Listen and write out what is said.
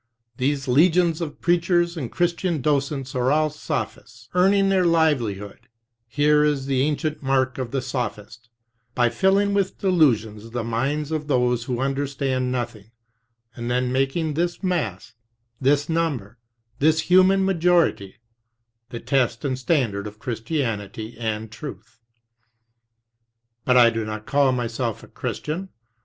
These legions of preachers and Christian docents are all sophists, earning their livelihood — here is the ancient mark of the sophist — by filling with delusions the minds of those who understand nothing, and then making this mass, this number, this human majority, the test and standard of Christianity and truth. "But I do not call myself a Christian.